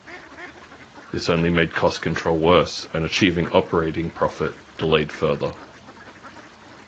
This only made cost control worse and achieving operating profit delayed further.